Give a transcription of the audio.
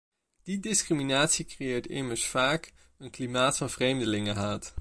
Die discriminatie creëert immers vaak een klimaat van vreemdelingenhaat.